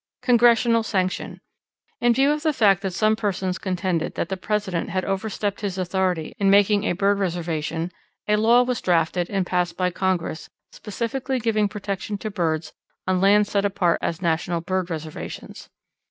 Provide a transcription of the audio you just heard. Congressional Sanction. In view of the fact that some persons contended that the President had over stepped his authority in making a bird reservation, a law was drafted, and passed by Congress, specifically giving protection to birds on lands set apart as National bird reservations.